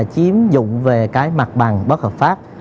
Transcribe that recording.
chiếm dụng về cái mặt bằng bất hợp pháp